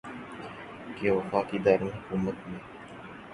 کہ وفاقی دارالحکومت میں